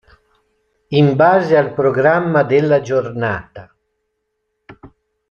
In base al programma della giornata.